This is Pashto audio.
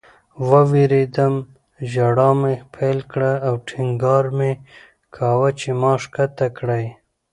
ووېرېدم. ژړا مې پیل کړه او ټینګار مې کاوه چې ما ښکته کړئ